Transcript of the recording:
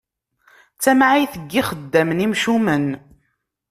D tamɛayt n ixeddamen imcumen.